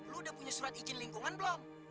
lu udah punya surat izin lingkungan belum